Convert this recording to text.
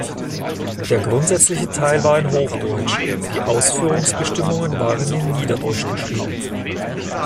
Der grundsätzliche Teil war in Hochdeutsch, die Ausführungsbestimmungen waren in Niederdeutsch geschrieben.